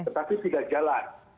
tetapi tidak jalan